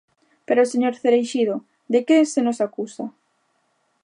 Pero, señor Cereixido, ¿de que se nos acusa?